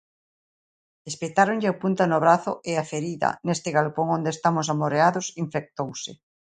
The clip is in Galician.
Espetáronlle a punta no brazo e a ferida, neste galpón onde estamos amoreados, infectouse.